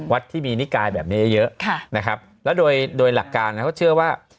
ที่มีนิกายแบบนี้เยอะนะครับแล้วโดยโดยหลักการเขาเชื่อว่า